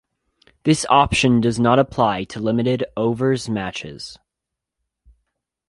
This option does not apply to limited overs matches.